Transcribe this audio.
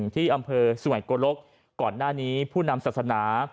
ที่อำเภอสุไงโกลกก่อนหน้านี้ผู้นำศาสนา